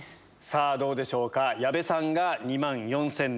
さぁどうでしょうか矢部さんが２万４７００円。